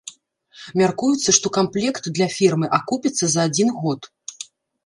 Мяркуецца, што камплект для фермы акупіцца за адзін год.